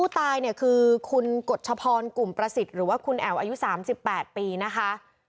ตายเนี่ยคือคุณกฎชพรกลุ่มประสิทธิ์หรือว่าคุณแอ๋วอายุ๓๘ปีนะคะ